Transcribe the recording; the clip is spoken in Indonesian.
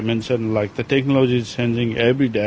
dengan latar belakang yang berbeda